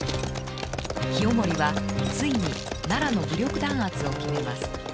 清盛はついに奈良の武力弾圧を決めます。